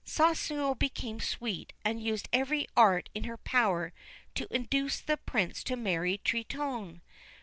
Soussio became sweet and used every art in her power to induce the Prince to marry Truitonne.